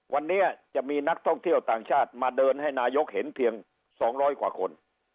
วันนี้จะมีนักท่องเที่ยวต่างชาติมาเดินให้นายกเห็นเพียง๒๐๐กว่าคน